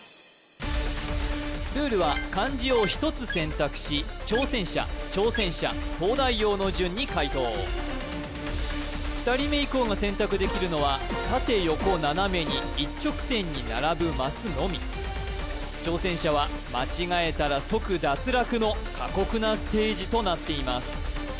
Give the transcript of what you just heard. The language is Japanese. ルールは漢字を１つ選択し挑戦者挑戦者東大王の順に解答２人目以降が選択できるのは縦横斜めに一直線に並ぶマスのみ挑戦者は間違えたら即脱落の過酷なステージとなっています